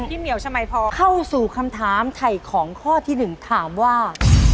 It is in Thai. เหมียวชมัยพรเข้าสู่คำถามไถ่ของข้อที่๑ถามว่า